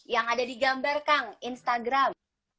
yang ada digambar kang instagram